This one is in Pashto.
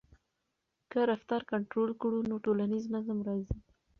که رفتار کنټرول کړو نو ټولنیز نظم راځي.